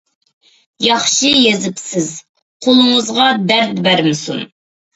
ياخشى يېزىپسىز، قولىڭىزغا دەرد بەرمىسۇن.